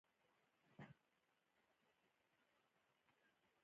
اسلام او شريعت زموږ لومړی اصل دی.